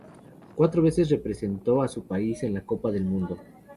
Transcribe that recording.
Cuatro veces representó a su país en la Copa del Mundo.